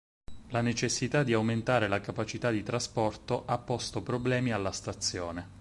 La necessità di aumentare la capacità di trasporto ha posto problemi alla stazione.